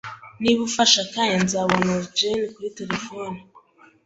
Niba ufashe akanya, nzabona Jane kuri terefone